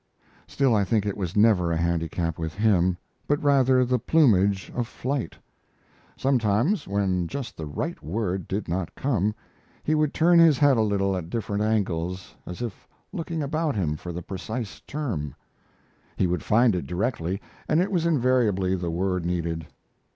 Still I think it was never a handicap with him, but rather the plumage of flight. Sometimes, when just the right word did not come, he would turn his head a little at different angles, as if looking about him for the precise term. He would find it directly, and it was invariably the word needed.